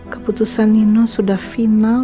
keputusan nino sudah final